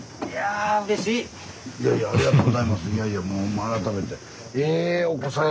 いやいやもう改めて。